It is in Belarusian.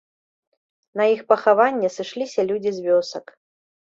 На іх пахаванне сышліся людзі з вёсак.